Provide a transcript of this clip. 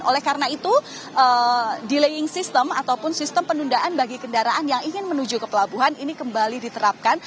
oleh karena itu delaying system ataupun sistem penundaan bagi kendaraan yang ingin menuju ke pelabuhan ini kembali diterapkan